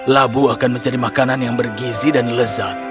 labu akan menjadi makanan yang bergizi dan lezat